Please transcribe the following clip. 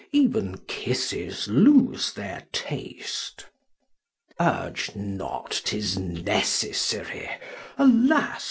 even Kisses lose their Taste. Urge not 'tis necessary, alas